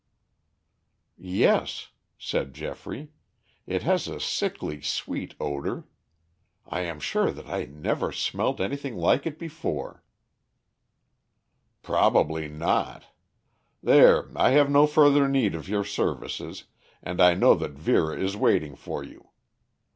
"Yes," said Geoffrey. "It has a sickly sweet odor. I am sure that I never smelt anything like it before." "Probably not. There, I have no further need of your services, and I know that Vera is waiting for you.